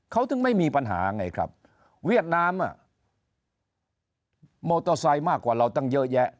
เขาถึงไม่มีปัญหาไงครับเวียดนามมอเตอร์ไซค์มากกว่าเราตั้งเยอะแยะ